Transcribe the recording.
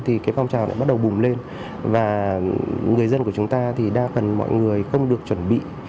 thì cái phong trào đã bắt đầu bùng lên và người dân của chúng ta thì đa phần mọi người không được chuẩn bị